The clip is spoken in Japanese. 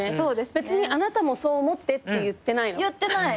別にあなたもそう思ってって言ってないの。